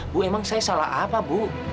bu emang saya salah apa bu